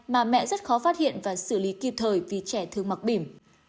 mà mẹ rất khó phát hiện và xử lý kịp thời vì trẻ thương mặc bìm